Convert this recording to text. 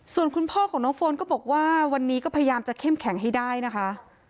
ส่วนคุณพ่อของน้องโฟนก็บอกว่าวันนี้ก็พยายามจะเข้มแข็งให้ได้นะคะ